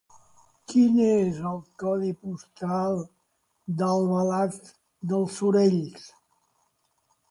Quin és el codi postal d'Albalat dels Sorells?